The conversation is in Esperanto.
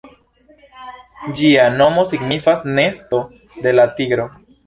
Ĝia nomo signifas "Nesto de la Tigro".